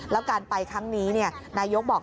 แล้วการไปครั้งนี้นายกบอก